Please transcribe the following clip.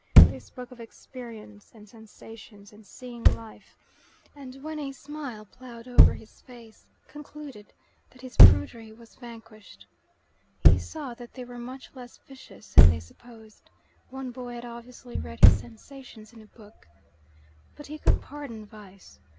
They spoke of "experience" and "sensations" and "seeing life," and when a smile ploughed over his face, concluded that his prudery was vanquished. He saw that they were much less vicious than they supposed: one boy had obviously read his sensations in a book. But he could pardon vice.